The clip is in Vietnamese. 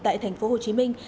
tại thành phố hồ chí minh